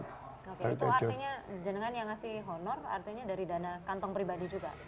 oke itu artinya jenengan yang ngasih honor artinya dari dana kantong pribadi juga